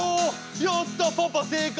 やったパパ正解！